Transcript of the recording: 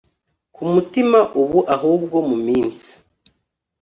kumutima ubu ahubwo muminsi